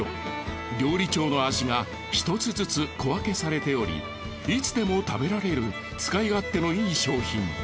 料理長の味が１つずつ小分けされておりいつでも食べられる使い勝手のいい商品。